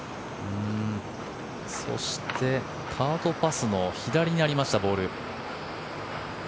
そして、カートパスの左にありましたボール。